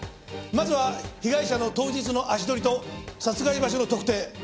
まずは被害者の当日の足取りと殺害場所の特定。